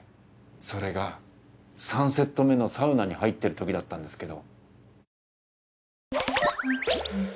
それが３セット目のサウナに入ってるときだったんですけど。